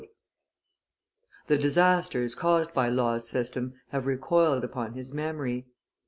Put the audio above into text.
The disasters caused by Law's system have recoiled upon his memory.